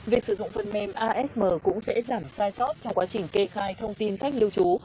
việc sử dụng phần mềm asm cũng sẽ giảm sai sót trong quá trình kê khai thông tin khách lưu trú